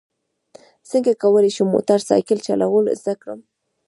څنګه کولی شم موټر سایکل چلول زده کړم